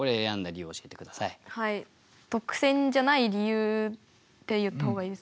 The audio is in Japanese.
特選じゃない理由って言った方がいいですか？